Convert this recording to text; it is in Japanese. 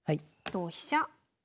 同飛車。